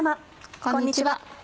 こんにちは。